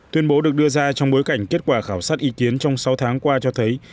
tuyên bố được đưa ra trong bối cảnh kết quả khảo sát ý kiến trong sáu tháng qua cho thấy